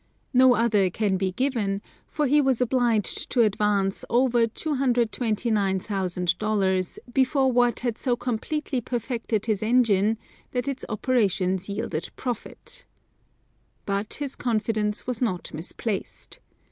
No other can be given, for he was obliged to advance over $229,000 before Watt had so completely perfected his engine that its operations yielded profit. But his confidence was not misplaced.